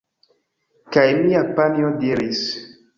Kaj mia panjo diris: